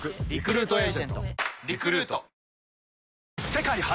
世界初！